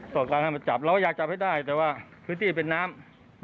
โตรกลางว่ายาจับจะได้แต่ว่าพื้นที่นี่เป็นน้ำ